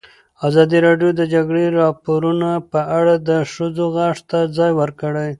ازادي راډیو د د جګړې راپورونه په اړه د ښځو غږ ته ځای ورکړی.